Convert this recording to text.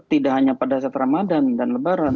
tidak hanya pada saat ramadan dan lebaran